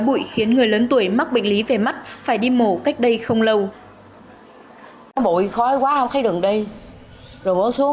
bụi khiến người lớn tuổi mắc bệnh lý về mắt phải đi mổ cách đây không lâu